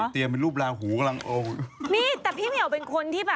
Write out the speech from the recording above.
เดี๋ยวหลักสุดเขาได้รังพึ่งนะ